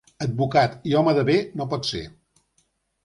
Advocat i home de bé no pot ser.